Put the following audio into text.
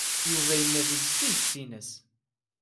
Yuba yenna-t-id s tidet-nnes.